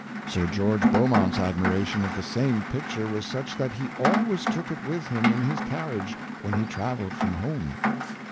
Sir George Beaumont's admiration of the same picture was such that he always took it with him in his car riage when he traveled from home.